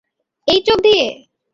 এই চোখ দিয়ে!